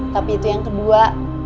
tapi itu yang kedua